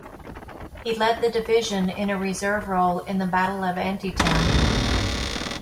He led the division in a reserve role in the Battle of Antietam.